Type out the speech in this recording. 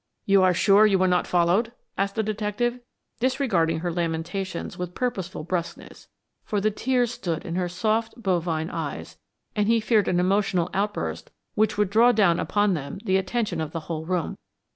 "You are sure you were not followed?" asked the detective, disregarding her lamentations with purposeful brusqueness, for the tears stood in her soft, bovine eyes, and he feared an emotional outburst which would draw down upon them the attention of the whole room.